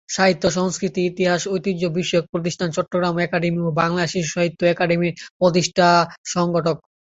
সাহিত্য সংস্কৃতি ইতিহাস ঐতিহ্য বিষয়ক প্রতিষ্ঠান চট্টগ্রাম একাডেমি ও বাংলাদেশ শিশুসাহিত্য একাডেমির প্রতিষ্ঠাতা সংগঠক।